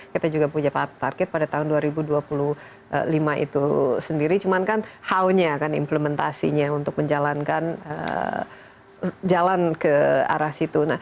kita juga punya target pada tahun dua ribu dua puluh lima itu sendiri cuman kan how nya kan implementasinya untuk menjalankan jalan ke arah situ